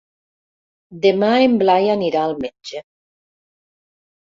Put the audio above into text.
Demà en Blai anirà al metge.